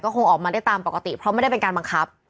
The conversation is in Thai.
คงออกมาได้ตามปกติเพราะไม่ได้เป็นการบังคับ